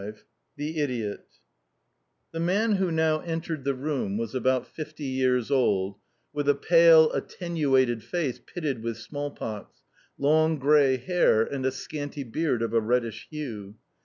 V THE IDIOT The man who now entered the room was about fifty years old, with a pale, attenuated face pitted with smallpox, long grey hair, and a scanty beard of a reddish hue.